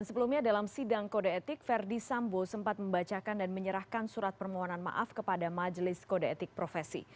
sebelumnya dalam sidang kode etik verdi sambo sempat membacakan dan menyerahkan surat permohonan maaf kepada majelis kode etik profesi